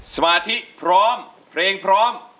สมาธิพร้อมเพลงพร้อม